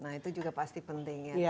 nah itu juga pasti penting ya